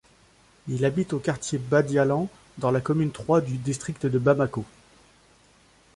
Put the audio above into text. Il habite au quartier Badialan dans la commune trois du district de Bamako.